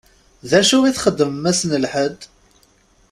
D acu i txeddmem ass n lḥedd?